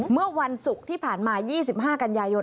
เมื่อวันศุกร์ที่ผ่านมา๒๕กันยายน